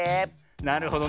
なるほどね。